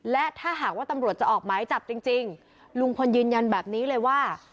และถ้าหากว่าตำรวจจะออกหมายจับจริงลุงพลยืนยันแบบนี้เลยว่า